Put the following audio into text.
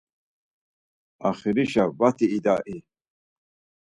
Axirişe vati idai?